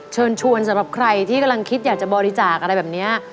เชิญชวนสำหรับใครที่กำลังคิดอยากจะบริจาคอะไรแบบนี้